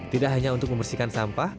tidak hanya untuk membersihkan sampah